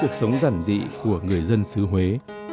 cuộc sống giản dị của người dân xứ huế